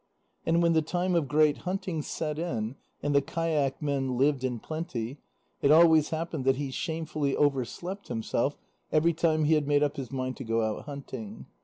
And when the time of great hunting set in, and the kayak men lived in plenty, it always happened that he shamefully overslept himself every time he had made up his mind to go out hunting.